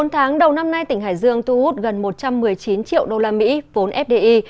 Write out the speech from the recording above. bốn tháng đầu năm nay tỉnh hải dương thu hút gần một trăm một mươi chín triệu usd vốn fdi